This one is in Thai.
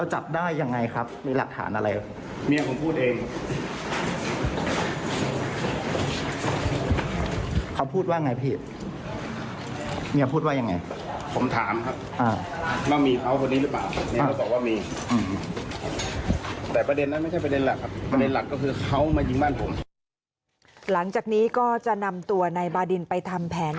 หลังจากนี้ก็จะนำตัวนายบาดินไปทำแผน